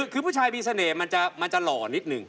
คือผู้ชายมีเสน่ห์มันจะหล่อนิดนึง